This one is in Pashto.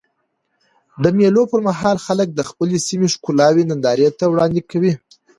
د مېلو پر مهال خلک د خپلي سیمي ښکلاوي نندارې ته وړاندي کوي.